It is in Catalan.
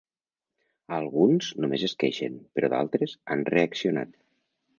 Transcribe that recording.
Alguns només es queixen, però d'altres han reaccionat.